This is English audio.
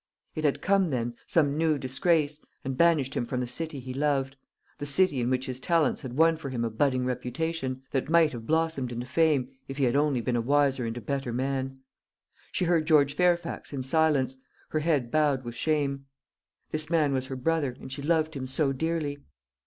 It had come, then, some new disgrace, and banished him from the city he loved the city in which his talents had won for him a budding reputation, that might have blossomed into fame, if he had only been a wiser and a better man. She heard George Fairfax in silence, her head bowed with shame. This man was her brother, and she loved him so dearly.